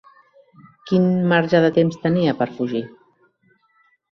Quin marge de temps tenia, per fugir?